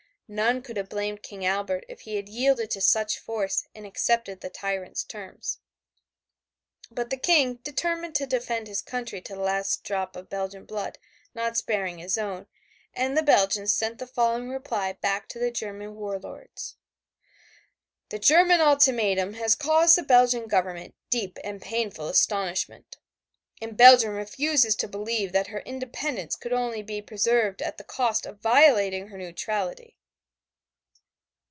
None could have blamed King Albert if he had yielded to such force and accepted the tyrant's terms. But the King determined to defend his country to the last drop of Belgian blood, not sparing his own, and the Belgians sent the following reply back to the German war lords: "The German ultimatum has caused the Belgian Government deep and painful astonishment, and Belgium refuses to believe that her independence could only be preserved at the cost of violating her neutrality."